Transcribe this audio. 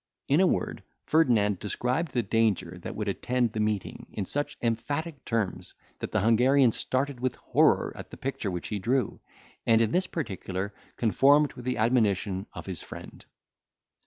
In a word, Ferdinand described the danger that would attend the meeting in such emphatic terms, that the Hungarian started with horror at the picture which he drew, and in this particular conformed with the admonition of his friend.